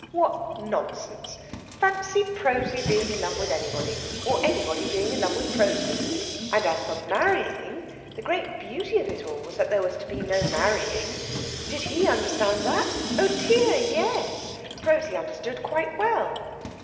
What nonsense! Fancy Prosy being in love with anybody, or anybody being in love with Prosy! And as for marrying, the great beauty of it all was that there was to be no marrying. Did he understand that? Oh dear, yes! Prosy understood quite well.